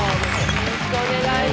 よろしくお願いします